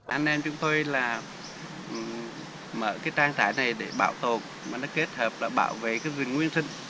anh em chúng tôi mở trang trái này để bảo tồn kết hợp bảo vệ dưới nguyên sinh